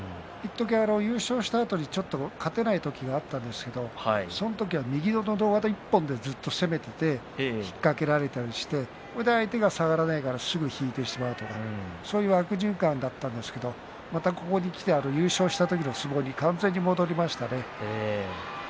優勝した時に一時、勝てない時があったんですが、その時は右ののど輪１本で攻めていって引っ掛けられたりして相手が下がらないのですぐ引いてしまうそういう悪循環だったんですがここにきて優勝した時の相撲に完全に戻りましたね。